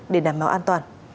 để đảm bảo an toàn